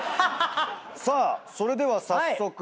さあそれでは早速。